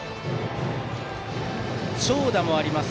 長打もあります